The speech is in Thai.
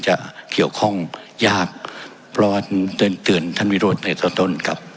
วิเศษนะครับขอโทษนะครับ